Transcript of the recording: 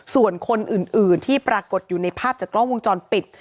ส่วนคนอื่นที่ปรากฏอยู่ในภาพจากกล้องวงจรปิด